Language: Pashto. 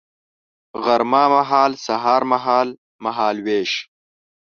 غرمه مهال سهار مهال ، مهال ویش